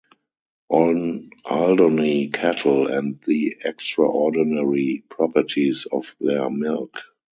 On Alderney cattle and the extraordinary properties of their milk.